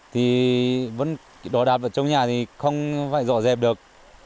thì vẫn đòi đạp vào trong nhà thì không phải rõ rẹp được